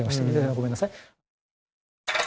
ごめんなさい。